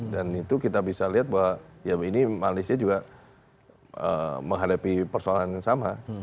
dan itu kita bisa lihat bahwa ya ini malaysia juga menghadapi persoalan yang sama